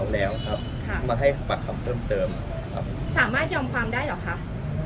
แล้วครับค่ะมาให้ปากคำเพิ่มเติมครับสามารถยอมความได้เหรอคะ